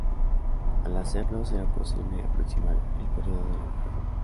Al hacerlo, será posible aproximar el periodo de la clave.